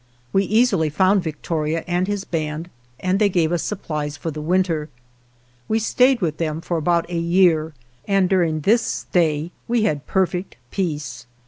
We easily found Victoria and his band, and they gave us supplies for the winter. We stayed with them for about a year, and during this stay we had perfect peace.